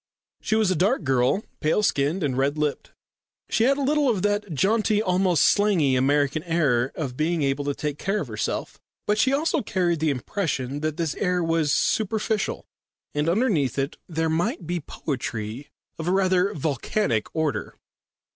She was a dark girl, pale skinned and red lipped. She had a little of that jaunty, almost slangy American air of being able to take care of herself. But she also carried the impression that this air was superficial, and underneath it there might be poetry of a rather volcanic order.